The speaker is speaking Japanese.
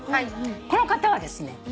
この方はですね